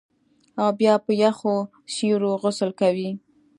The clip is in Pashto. او بیا په یخو سیورو غسل کوي